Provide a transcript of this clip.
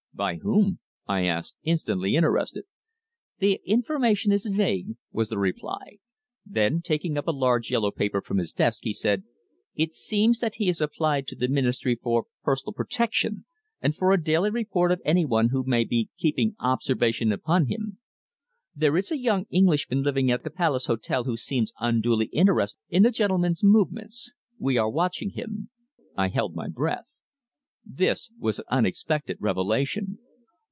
"By whom?" I asked, instantly interested. "The information is vague," was his reply. Then, taking up a large yellow paper from his desk, he said: "It seems that he has applied to the Ministry for personal protection, and for a daily report of anyone who may be keeping observation upon him. There is a young Englishman living at the Palace Hotel who seems unduly interested in the gentleman's movements. We are watching him." I held my breath. This was an unexpected revelation.